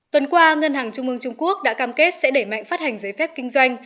tuần qua ngân hàng trung mương trung quốc đã cam kết sẽ đẩy mạnh phát hành giấy phép kinh doanh